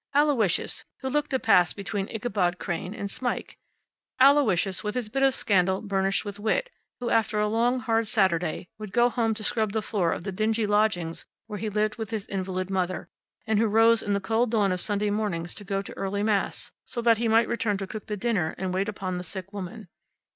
Aloysius, who looked a pass between Ichabod Crane and Smike; Aloysius, with his bit of scandal burnished with wit; who, after a long, hard Saturday, would go home to scrub the floor of the dingy lodgings where he lived with his invalid mother, and who rose in the cold dawn of Sunday morning to go to early mass, so that he might return to cook the dinner and wait upon the sick woman.